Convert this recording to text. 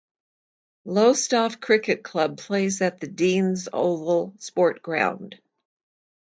Lowestoft Cricket Club play at the Denes Oval sport ground.